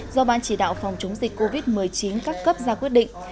do ban chỉ đạo phòng chống dịch covid một mươi chín các cấp ra quyết định